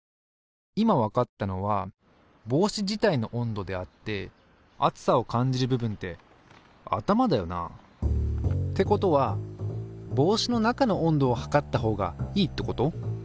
今わかったのは帽子自体の温度であって暑さを感じる部分って頭だよな。ってことは帽子の中の温度を測ったほうがいいってこと？